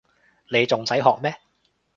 你仲使學咩